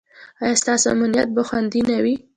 ایا ستاسو امنیت به خوندي نه وي؟